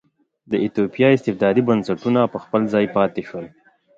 د ایتوپیا استبدادي بنسټونه په خپل ځای پاتې شول.